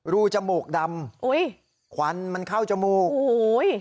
รูจมูกดำหวานมันเข้าจมูก